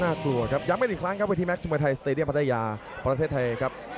กลัวครับย้ำกันอีกครั้งครับวิธีแม็กซมวยไทยสเตดียมพัทยาประเทศไทยครับ